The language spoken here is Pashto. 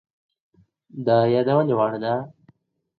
د يادوني وړ ده.